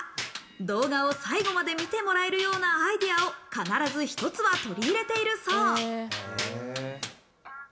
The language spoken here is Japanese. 動画を最後まで見てもらえるようなアイデアを必ず一つは取り入れているそう。